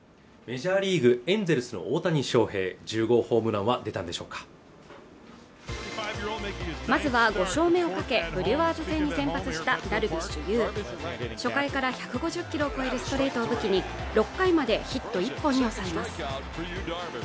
メジャーリーグエンゼルスの大谷翔平１０号ホームランは出たんでしょうかまずは５勝目をかけブリュワーズ戦に先発したダルビッシュ有初回から１５０キロを超えるストレートを武器に６回までヒット１本に抑えます